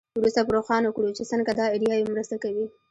وروسته به روښانه کړو چې څنګه دا ایډیاوې مرسته کوي.